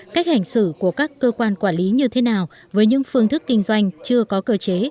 cách hành xử của các cơ quan quản lý như thế nào với những phương thức kinh doanh chưa có cơ chế